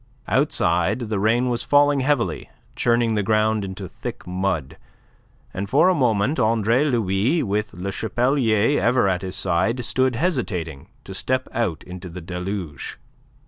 Outside the rain was falling heavily, churning the ground into thick mud, and for a moment Andre Louis, with Le Chapelier ever at his side, stood hesitating to step out into the deluge.